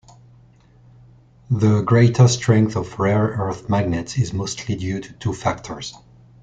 The greater strength of rare earth magnets is mostly due to two factors.